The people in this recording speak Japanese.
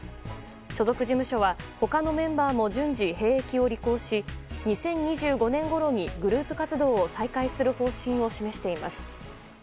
所属事務所は、他のメンバーも順次、兵役を履行し２０２５年ごろにグループ活動を再開する方針を示しています。